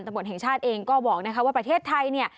ตรรมบนแห่งชาติเองก็บอกว่าประเทศไทย